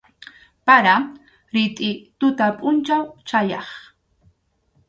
Para, ritʼi tuta pʼunchaw chayaq.